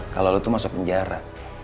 kalau lu itu masuk penjara